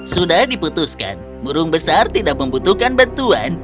sudah diputuskan murung besar tidak membutuhkan bantuan